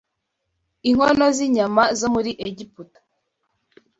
inkono z’inyama zo muri Egiputa